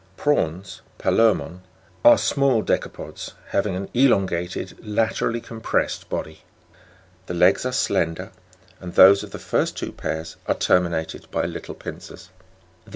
14. Prawns Pal&rnon (Jig. 65) are small decapods, having an elongated, laterally compressed body; the legs are slender, and those of the two first pairs are terminated by little pincers , 10.